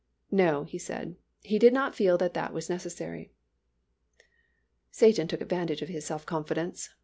"No," he said, "he did not feel that that was necessary." Satan took advantage of his self confidence.